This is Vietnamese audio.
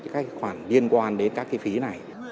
các khoản liên quan đến các phí này